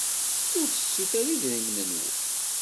Ur ttettut ara idrimen-nwen.